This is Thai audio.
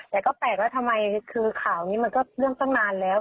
แต่ก็แปลกว่าทำไมคือข่าวนี้มันก็เรื่องตั้งนานแล้ว